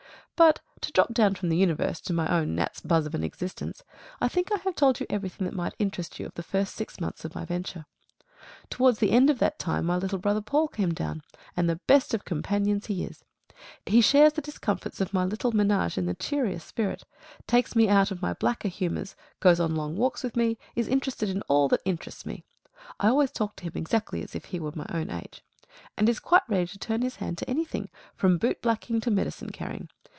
But to drop down from the universe to my own gnat's buzz of an existence, I think I have told you everything that might interest you of the first six months of my venture. Towards the end of that time my little brother Paul came down and the best of companions he is! He shares the discomforts of my little menage in the cheeriest spirit, takes me out of my blacker humours, goes long walks with me, is interested in all that interests me (I always talk to him exactly as if he were of my own age), and is quite ready to turn his hand to anything, from boot blacking to medicine carrying.